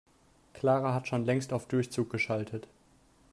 Clara hat schon längst auf Durchzug geschaltet.